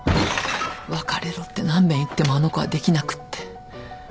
別れろって何べん言ってもあの子はできなくって。